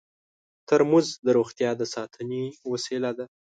ترموز د روغتیا د ساتنې وسیله ده.